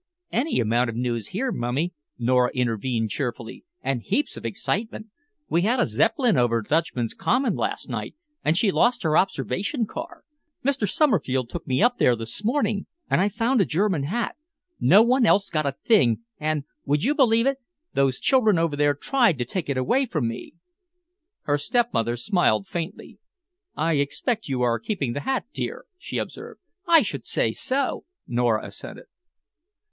"Any amount of news here, Mummy," Nora intervened cheerfully, "and heaps of excitement. We had a Zeppelin over Dutchman's Common last night, and she lost her observation car. Mr. Somerfield took me up there this afternoon, and I found a German hat. No one else got a thing, and, would you believe it, those children over there tried to take it away from me." Her stepmother smiled faintly. "I expect you are keeping the hat, dear," she observed. "I should say so!" Nora assented.